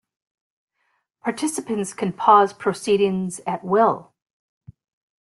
Participants can pause proceedings at will.